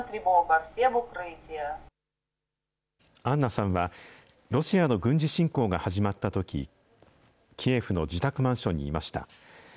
アンナさんは、ロシアの軍事侵攻が始まったとき、キエフの自宅マンションにいました。